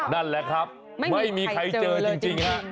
นั่นแหละครับไม่มีใครเจอจริงฮะ